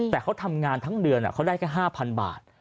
แต่เขาทำงานทั้งเดือนเขาได้แค่๕๐๐บาท